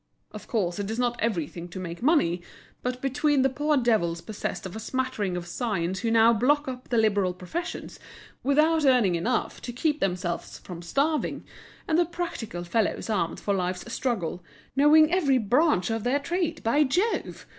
Of course, it is not everything to make money; but between the poor devils possessed of a smattering of science who now block up the liberal professions, without earning enough to keep themselves from starving, and the practical fellows armed for life's struggle, knowing every branch of their trade, by Jove!